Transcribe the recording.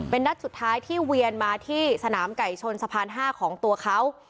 เป็นนัดสุดท้ายที่เวียนมาที่สนามไก่ชนสะพาน๕ของตัวเขา